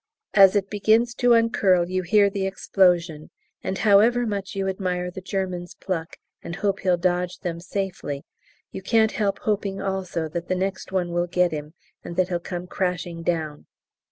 As it begins to uncurl you hear the explosion, and however much you admire the German's pluck, and hope he'll dodge them safely, you can't help hoping also that the next one will get him and that he'll come crashing down.